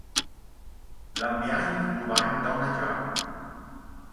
L’ambiaint nu vain donnagià.